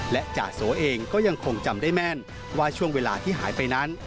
และจ่าโสเองก็ยังคงจำได้แม่นว่าช่วงเวลาที่หายไปนั้น